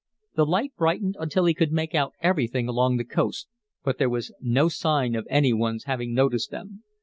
The light brightened until he could make out everything along the coast, but there was no sign of any one's having noticed them.